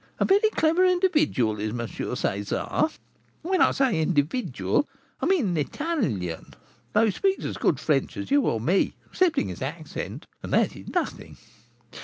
A very clever individual is M. César. When I say an 'individual,' I mean an Italian, though he speaks as good French as you or me, excepting his accent, and that is nothing.